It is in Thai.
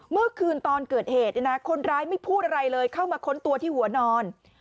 เมื่อคืนตอนเกิดเหตุคนร้ายไม่พูดอะไรเลยเข้ามาค้นตัวที่หัวนอน